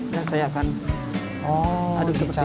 dan saya akan aduk seperti ini